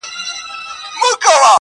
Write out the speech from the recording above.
ما مي خوبونه تر فالبینه پوري نه دي وړي!!